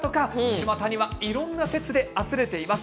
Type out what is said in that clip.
ちまたにはいろんな説であふれています。